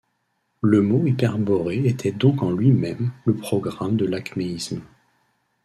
Le mot Hyperborée était donc en lui-même le programme de l'acméisme.